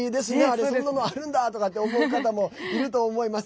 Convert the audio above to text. そんなのあるんだとかって思う方もいると思います。